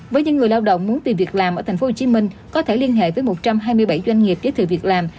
với những người lao động muốn tìm việc làm ở tp hcm có thể liên hệ với một trăm hai mươi bảy doanh nghiệp giới thiệu việc làm